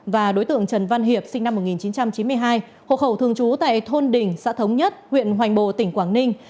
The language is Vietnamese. và đối tượng trần văn hiệp sinh năm một nghìn chín trăm chín mươi hai hộ khẩu thường trú tại thôn đình xã thống nhất huyện hoành bồ tỉnh quảng ninh